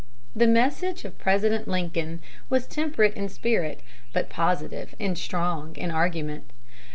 The message of President Lincoln was temperate in spirit, but positive and strong in argument.